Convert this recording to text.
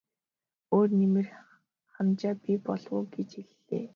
Өөр нэмэр хамжаа бий болов уу гэж хэллээ.